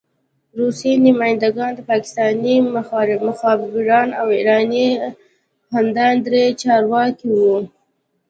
روسي نماینده ګان، پاکستاني مخبران او ایراني اخندان درې چارکه وو.